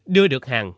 đưa được hàng